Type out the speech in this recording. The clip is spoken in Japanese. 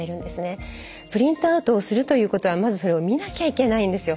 プリントアウトをするということはまずそれを見なきゃいけないんですよ。